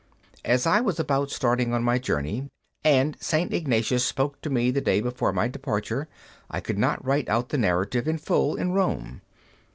As I was about starting on my journey, and St. Ignatius spoke to me the day before my departure, I could not write out the narrative in full at Rome.